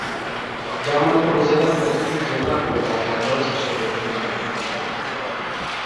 জামালপুর জেলার প্রথম জেলা ও দায়রা জজ হিসেবে তিনি দায়িত্ব পালন করেন।